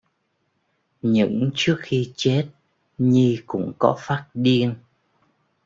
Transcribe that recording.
Những trước khi chết Nhi cũng có phát điên